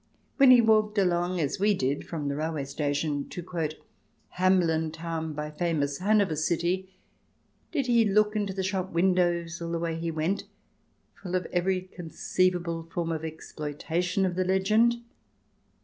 When he walked along, as we did, from the railway station to " Hamelin town by famous Hanover city," did he look into shop windows all the way he went, full of every con ceivable form of exploitation of the legend